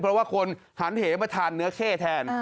เพราะว่าคนหันเหมาทานเนื้อเข้แทน